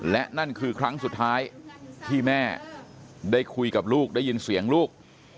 และนั่นคือครั้งสุดท้ายที่แม่ได้คุยกับลูกได้ยินเสียงลูก